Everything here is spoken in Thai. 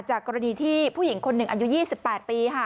กรณีที่ผู้หญิงคนหนึ่งอายุ๒๘ปี